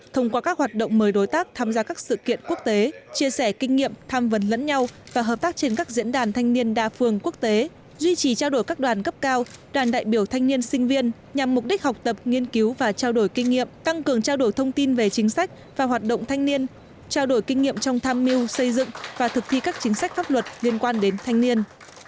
thông qua các hoạt động mời đối tác tham gia các sự kiện quốc tế chia sẻ kinh nghiệm tham vấn lẫn nhau và hợp tác trên các diễn đàn thanh niên đa phương quốc tế duy trì trao đổi các đoàn cấp cao đoàn đại biểu thanh niên sinh viên nhằm mục đích học tập nghiên cứu và trao đổi kinh nghiệm tăng cường trao đổi thông tin về chính sách và hoạt động thanh niên trao đổi kinh nghiệm trong tham mưu xây dựng và thực thi các chính sách pháp luật liên quan đến thanh niên